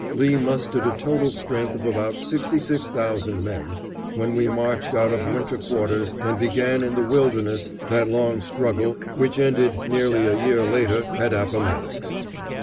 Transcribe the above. Lee mustered a total strength of about sixty six thousand men, when we marched out of winter quarters and began in the Wilderness that long struggle which ended nearly a year later at Appomattox.